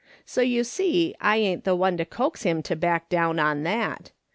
So you see I ain't the one to coax him to back down on that.